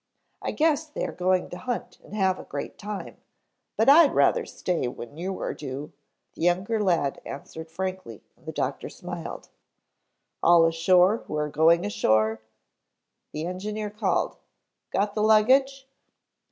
I guess they are going to hunt and have a great time, but I'd rather stay when you are due," the younger lad answered frankly, and the doctor smiled. "All ashore who are going ashore?" the engineer called. "Got the luggage?"